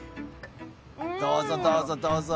どうぞどうぞどうぞ。